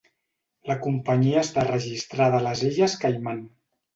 La companyia està registrada a les Illes Caiman.